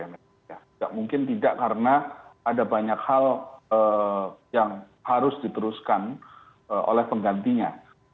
tidak mungkin tidak karena ada banyak hal yang harus diteruskan oleh penggantinya